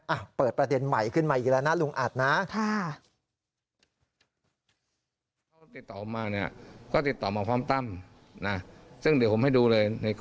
อ่ะเปิดประเด็นใหม่ขึ้นมาอีกแล้วนะลุงอัดนะ